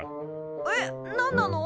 えっ何なの？